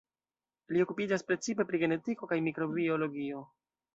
Li okupiĝas precipe pri genetiko kaj mikrobiologio.